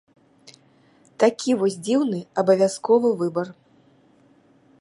Такі вось дзіўны абавязковы выбар.